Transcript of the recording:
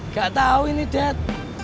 gak tau ini dad